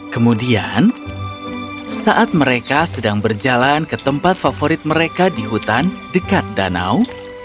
kemudian saat mereka sedang berjalan ke tempat favorit mereka di hutan dekat danau